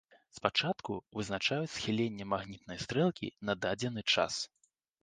Спачатку вызначаюць схіленне магнітнай стрэлкі на дадзены час.